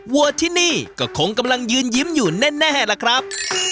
วัวที่นี่ก็คงกำลังยืนยิ้มอยู่แน่ล่ะครับ